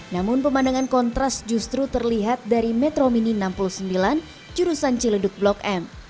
namun pemandangan kontras justru terlihat dari metro mini enam puluh sembilan jurusan ciledug blok m